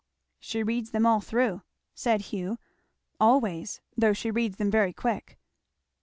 "She reads them all through," said Hugh, "always, though she reads them very quick."